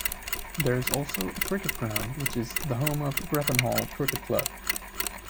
There is also a cricket ground, which is the home of Grappenhall Cricket Club.